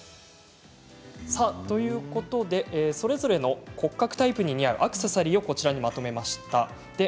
ということでそれぞれの骨格タイプに似合うアクセサリーをこちらにまとめました。